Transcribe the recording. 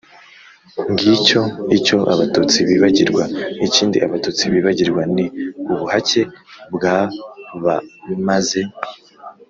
ngicyo icyo abatutsi bibagirwa. ikindi abatutsi bibagirwa ni ubuhake bwabamaze